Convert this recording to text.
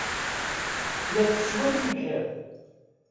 La tessway tibḥirt.